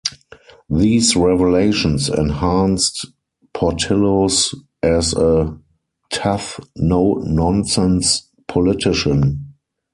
These revelations enhanced Portillo's as a "tough, no-nonsense" politician.